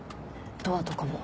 ドアとかも。